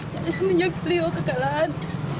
dari semenjak beliau kekalahan